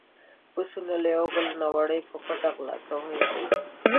پسونو له يو بل نه وړۍ په پټه غلا کولې.